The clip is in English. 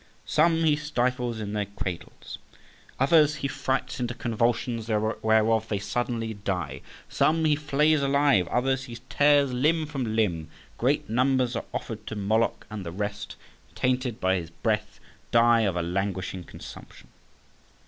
Some he stifles in their cradles, others he frights into convulsions, whereof they suddenly die, some he flays alive, others he tears limb from limb, great numbers are offered to Moloch, and the rest, tainted by his breath, die of a languishing consumption.